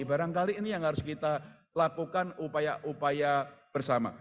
barangkali ini yang harus kita lakukan upaya upaya bersama